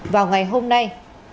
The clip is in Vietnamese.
vào ngày hôm nay